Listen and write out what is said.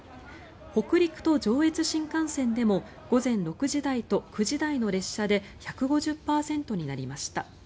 北陸と上越新幹線でも午前６時台と９時台の列車で１５０％になりました。